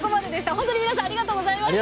本当に皆さんありがとうございました。